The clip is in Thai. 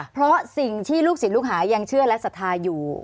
เพราะสิ่งที่ลูกศิษย์ลูกหายังเชื่อและศรัทธาอยู่